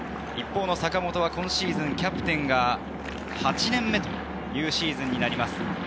坂本は今シーズン、キャプテンが８年目というシーズンになります。